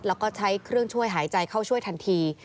แล้วก็ใช้เครื่องช่วยหายใจเข้าช่วยทันที